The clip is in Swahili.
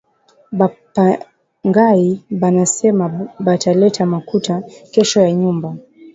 Ba pangayi banasema bata leta makuta kesho ya nyumba